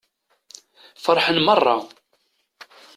Feṛḥen meṛṛa.